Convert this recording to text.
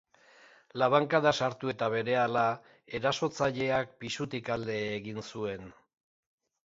Labankada sartu eta berehala, erasotzaileak pisutik alde egin zuen.